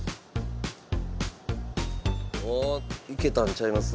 おっいけたんちゃいます？